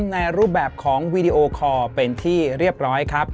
ในรูปแบบของวีดีโอคอร์เป็นที่เรียบร้อยครับ